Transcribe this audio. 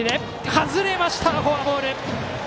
外れました、フォアボール。